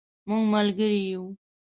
مونږ ملګری یو